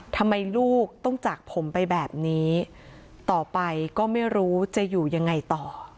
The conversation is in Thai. ทำไมลูกต้องจากผมไปแบบนี้ต่อไปก็ไม่รู้จะอยู่ยังไงต่อ